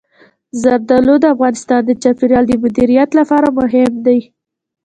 زردالو د افغانستان د چاپیریال د مدیریت لپاره مهم دي.